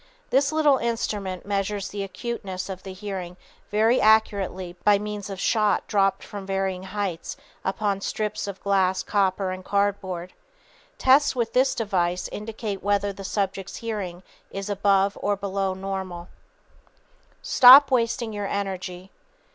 This little instrument measures the acuteness of the hearing very accurately by means of shot dropped from varying heights upon strips of glass, copper and cardboard. Tests with this device indicate whether the subject's hearing is above or below normal. [Sidenote: Mental Friction and Inner Whirlwinds] _Stop wasting your energy.